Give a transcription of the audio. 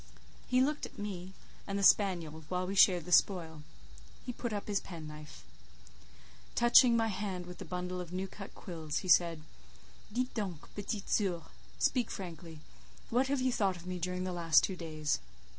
He looked at me and the spaniel while we shared the spoil; he put up his penknife. Touching my hand with the bundle of new cut quills, he said:—"Dites donc, petite soeur—speak frankly—what have you thought of me during the last two days?"